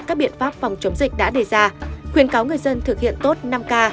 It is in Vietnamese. các biện pháp phòng chống dịch đã đề ra khuyến cáo người dân thực hiện tốt năm k